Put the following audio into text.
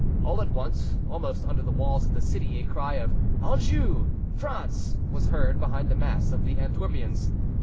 All at once, almost under the walls of the city, a cry of "Anjou! France!" was heard behind the mass of the Antwerpians.